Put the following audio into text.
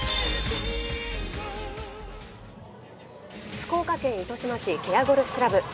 福岡県糸島市芥屋ゴルフ倶楽部。